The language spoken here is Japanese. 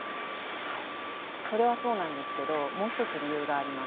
はいそれはそうなんですけどもう一つ理由があります。